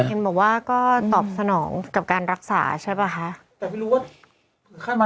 แฮมบอกว่าก็ตอบขนองกับการรักษาใช่ไหมคะ